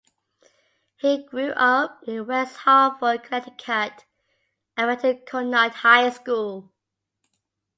He grew up in West Hartford, Connecticut and went to Conard High School.